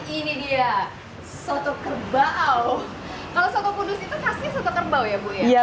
ini daging kerbau